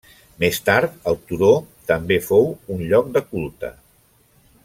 Més tard, el turó també fou un lloc de culte.